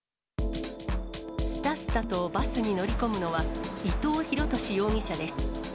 すたすたとバスに乗り込むのは、伊藤弘敏容疑者です。